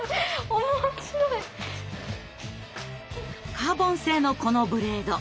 カーボン製のこのブレード。